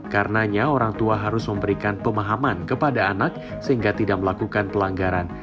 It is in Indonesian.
karenanya orang tua harus memberikan pemahaman kepada anak sehingga tidak melakukan pelanggaran